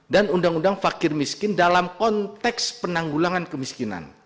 dan undang undang fakir miskin dalam konteks penanggulangan kemiskinan